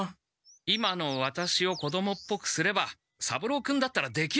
今のワタシを子どもっぽくすれば三郎君だったらできる。